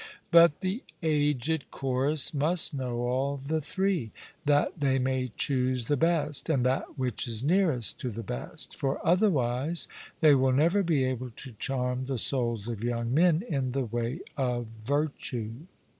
But the aged chorus must know all the three, that they may choose the best, and that which is nearest to the best; for otherwise they will never be able to charm the souls of young men in the way of virtue.